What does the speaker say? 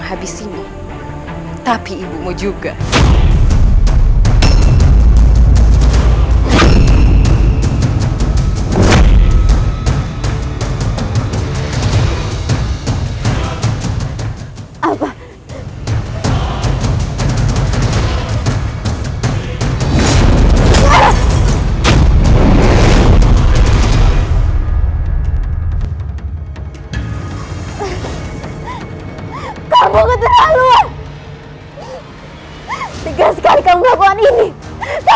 sampai jumpa di video selanjutnya